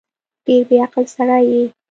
ډېر بیعقل سړی یې